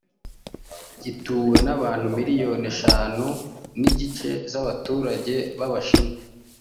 Gituwe n’abantu miliyoni eshanu n’igice z’abaturage b’Abashinwa